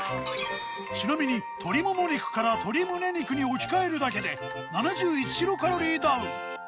ちなみに鶏もも肉から鶏むね肉に置き換えるだけで７１キロカロリーダウン。